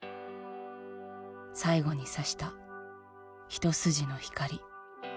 最後にさした一筋の光。